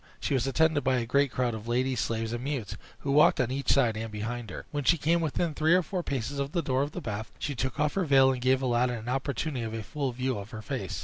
She was attended by a great crowd of ladies, slaves, and mutes, who walked on each side and behind her. When she came within three or four paces of the door of the bath, she took off her veil, and gave Aladdin an opportunity of a full view of her face.